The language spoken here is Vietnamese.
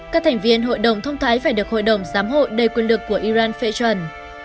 các thành viên hội đồng thông thái phải được hội đồng giám hộ đầy quyền lực của iran phê chuẩn